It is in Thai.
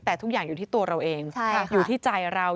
แต่ทุกอย่างอยู่ที่ตัวเราเองอยู่ที่ใจเรา